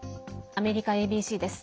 アメリカＡＢＣです。